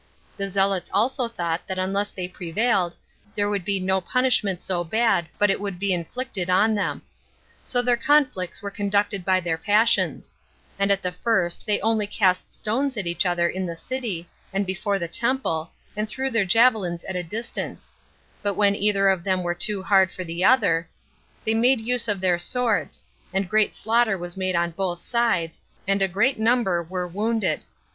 The zealots also thought that unless they prevailed, there would be no punishment so bad but it would be inflicted on them. So their conflicts were conducted by their passions; and at the first they only cast stones at each other in the city, and before the temple, and threw their javelins at a distance; but when either of them were too hard for the other, they made use of their swords; and great slaughter was made on both sides, and a great number were wounded.